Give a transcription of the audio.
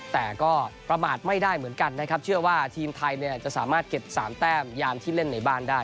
แต่ก็ประมาทไม่ได้เหมือนกันนะครับเชื่อว่าทีมไทยเนี่ยจะสามารถเก็บ๓แต้มยามที่เล่นในบ้านได้